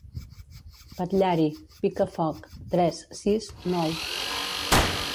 Patllari, pica foc, tres, sis, nou.